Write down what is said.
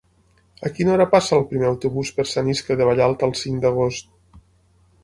A quina hora passa el primer autobús per Sant Iscle de Vallalta el cinc d'agost?